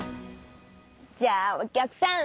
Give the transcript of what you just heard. じゃあお客さん！